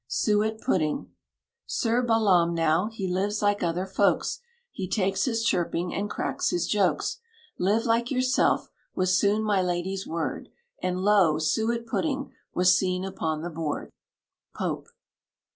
SUET PUDDING. Sir Balaam now, he lives like other folks; He takes his chirping, and cracks his jokes. Live like yourself, was soon my lady's word; And lo! suet pudding was seen upon the board. POPE.